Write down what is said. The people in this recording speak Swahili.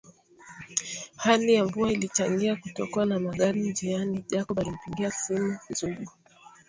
Hali ya mvua ilichangia kutokuwa na magari njiani Jacob alimpigia simu Zugu